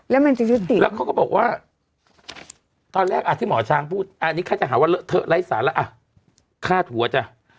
แล้วมันจิสถิติเขาก็บอกว่าตอนแรกอ่ะที่หมอช้างพูดอันนี้ช่างจะหาว่าเหลือเธอไร้สารละอ่ะข้าทั่วจ้ะ